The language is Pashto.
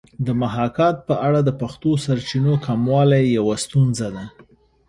د محاکات په اړه د پښتو سرچینو کموالی یوه ستونزه ده